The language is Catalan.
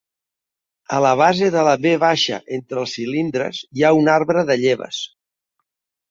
A la base de la V entre els cilindres hi ha un arbre de lleves.